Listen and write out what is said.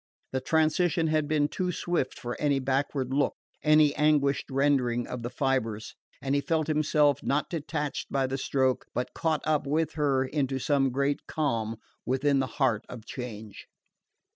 The transition had been too swift for any backward look, any anguished rending of the fibres, and he felt himself, not detached by the stroke, but caught up with her into some great calm within the heart of change.